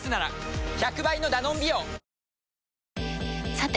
さて！